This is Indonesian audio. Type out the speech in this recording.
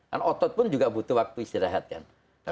kan otot pun juga butuh waktu istirahat kan